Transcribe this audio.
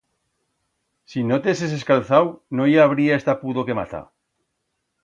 Si no t'heses escalzau no i habría esta pudor que mata.